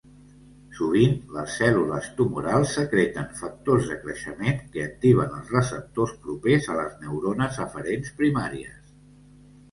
Sovint, les cèl·lules tumorals secreten factors de creixement que activen els receptors propers a les neurones aferents primàries.